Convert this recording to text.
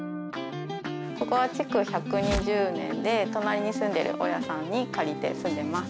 ここは築１２０年で隣に住んでる大家さんに借りて住んでます。